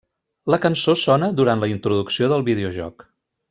La cançó sona durant la introducció del videojoc.